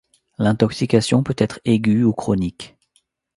L'intoxication peut être aiguë ou chronique.